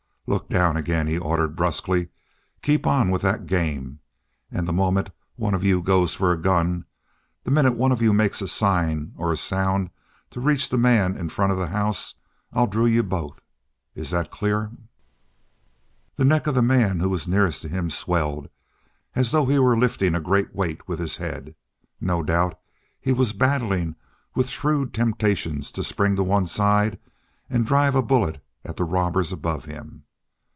"Look down again!" he ordered brusquely. "Keep on with that game. And the moment one of you goes for a gun the minute one of you makes a sign or a sound to reach the man in front of the house, I drill you both. Is that clear?" The neck of the man who was nearest to him swelled as though he were lifting a great weight with his head; no doubt he was battling with shrewd temptations to spring to one side and drive a bullet at the robbers above him.